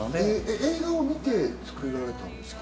映画を見て作られたんですか？